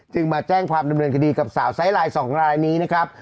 มาแจ้งความดำเนินคดีกับสาวไซส์ไลน์๒รายนี้นะครับ